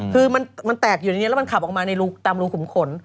คือมันแตกอยู่ในนี้แล้วมันขับออกมาในตามรูขุมขน